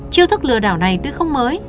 chiêu thức lừa đảo này tuy không mới